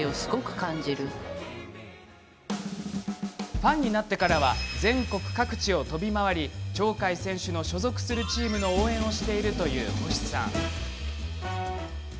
ファンになってからは全国各地を飛び回り鳥海選手の所属するチームの応援をしているという星さん。